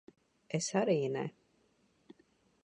Es arī ne.